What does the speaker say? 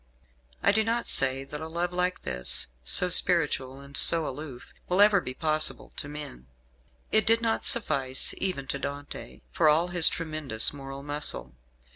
I do not say that a love like this so spiritual and so aloof will ever be possible to men. It did not suffice even to Dante, for all his tremendous moral muscle.